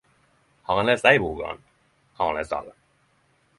Har ein lest ei bok av han har ein lest alle..